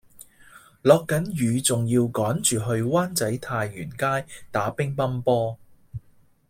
落緊雨仲要趕住去灣仔太原街打乒乓波